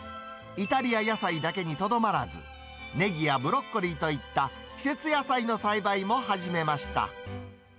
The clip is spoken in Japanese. イタリア野菜だけにとどまらず、ねぎやブロッコリーといった、季節野菜の栽培も始めました。